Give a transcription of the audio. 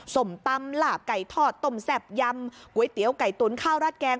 ส้มตำหลาบไก่ทอดต้มแซ่บยำก๋วยเตี๋ยวไก่ตุ๋นข้าวราดแกง